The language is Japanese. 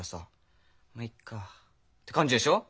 「まいっか」って感じでしょう？